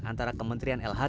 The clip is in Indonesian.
antara kesehatan dan kekecewaan